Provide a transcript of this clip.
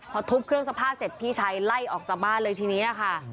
พอทุบเครื่องซักผ้าเสร็จพี่ชายไล่ออกจากบ้านเลยทีนี้ค่ะ